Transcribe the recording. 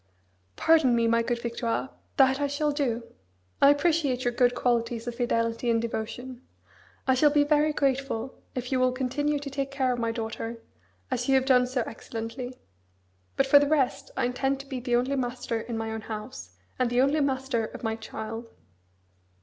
"Pardon me, my good Victoire, that I shall do. I appreciate your good qualities of fidelity and devotion. I shall be very grateful if you will continue to take care of my daughter, as you have done so excellently. But for the rest, I intend to be the only master in my own house, and the only master of my child."